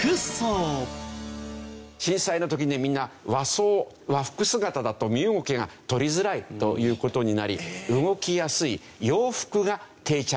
震災の時にみんな和装和服姿だと身動きが取りづらいという事になり動きやすい洋服が定着していったというわけです。